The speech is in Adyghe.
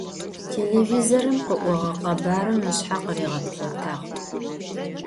Телевизорым къыӏогъэ къэбарым ышъхьэ къыригъэпхъотагъ.